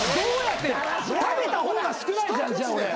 食べた方が少ないじゃんじゃあ俺。